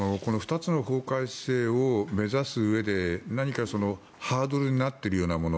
２つの法改正を目指すうえで何か、ハードルになっているようなもの